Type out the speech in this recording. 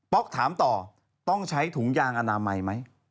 ป๊อกถามต่อต้องใช้ถุงยางอนาไมไม่